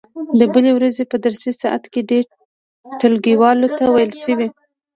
د بلې ورځې په درسي ساعت کې دې ټولګیوالو ته وویل شي.